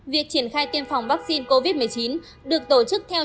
việc triển khai tiêm phòng vaccine covid một mươi chín được tổ chức theo